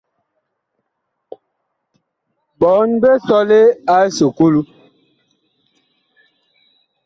Bɔɔn big sɔle a esuklu.